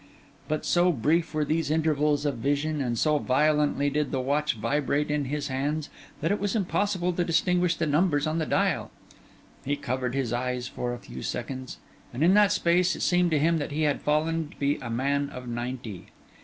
But so brief were these intervals of vision, and so violently did the watch vibrate in his hands, that it was impossible to distinguish the numbers on the dial. He covered his eyes for a few seconds; and in that space, it seemed to him that he had fallen to be a man of ninety.